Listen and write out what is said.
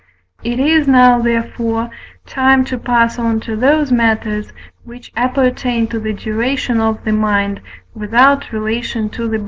It is now, therefore, time to pass on to those matters, which appertain to the duration of the mind, without relation to the body.